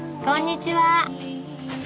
こんにちは。